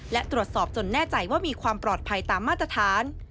และตรวจสอบจนแน่ใจว่ามีความปลอดภัยตามมาตรฐาน